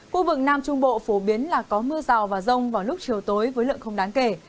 khu vực nam trung bộ phổ biến là có mưa rào và rông vào lúc chiều tối với lượng không đáng kể